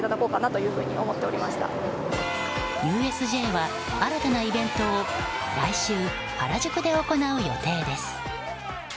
ＵＳＪは新たなイベントを来週原宿で行う予定です。